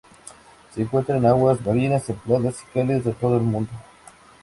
Se encuentran en aguas marinas templadas y cálidas de todo el mundo.